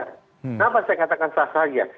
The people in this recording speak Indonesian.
kenapa saya katakan sah saja